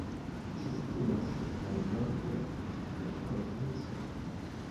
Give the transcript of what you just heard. Ĝi situas en la nordo de la provinco.